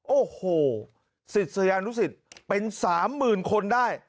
โอ้โหศิษยานุสิตเป็น๓๐๐๐คนได้